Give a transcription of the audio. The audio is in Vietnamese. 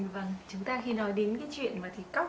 vâng chúng ta khi nói đến cái chuyện mà thịt cóc